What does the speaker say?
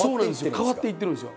変わっていってるんですよ